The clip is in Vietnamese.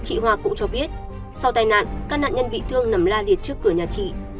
chị hoa cũng cho biết sau tai nạn các nạn nhân bị thương nằm la liệt trước cửa nhà chị